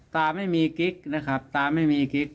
ตาไม่มีกิ๊กนะครับตาไม่มีกิ๊ก